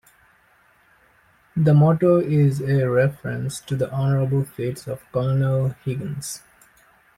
The motto is a reference to the honorable feats of Colonel Higgins.